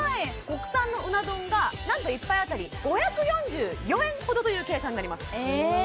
国産のうな丼が何と１杯あたり５４４円ほどという計算になりますえ